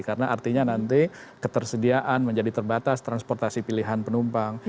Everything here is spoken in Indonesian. karena artinya nanti ketersediaan menjadi terbatas transportasi pilihan penumpang